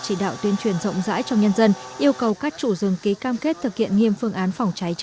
chỉ đạo tuyên truyền rộng rãi trong nhân dân yêu cầu các chủ rừng ký cam kết thực hiện nghiêm phương án phòng cháy chữa cháy